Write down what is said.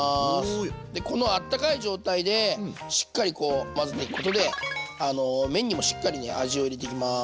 このあったかい状態でしっかり混ぜていくことで麺にもしっかり味を入れていきます。